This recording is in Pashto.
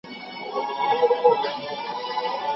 ایا په ګڼ ډګر کي مړ سړی او ږیره ښکاري؟